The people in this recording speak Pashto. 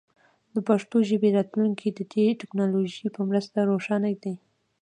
د پښتو ژبې راتلونکی د دې ټکنالوژۍ په مرسته روښانه دی.